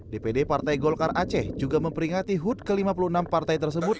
dpd partai golkar aceh juga memperingati hud ke lima puluh enam partai tersebut